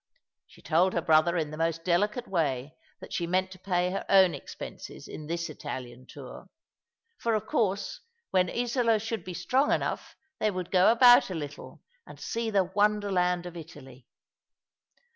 She told her brother in the most delicate way that she meant to pay her own expenses in this Italian tour ; for of course when Isola should be strong enough they would go about a little, and see the Wonderland of Italy.